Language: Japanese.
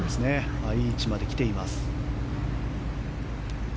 いい位置まで来ています。